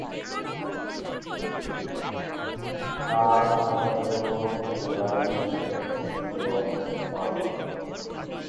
তার চাচাতো বোন জুলাই মাসে মৃত্যুবরণ করে।